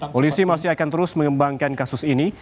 polisi masih akan terus mengembangkan kasus ini